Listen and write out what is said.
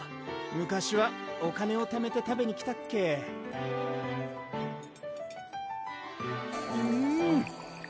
昔はお金をためて食べに来たっけうん！